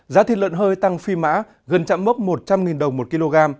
giá thịt lợn hơi tăng phi mã gần chạm mốc một trăm linh đồng một kg